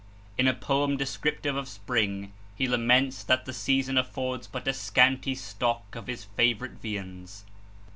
In a poem descriptive of spring, he laments that the season affords but a scanty stock of his favorite viands.